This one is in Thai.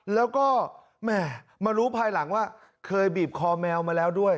แล้วก็แม่มารู้ภายหลังว่าเคยบีบคอแมวมาแล้วด้วย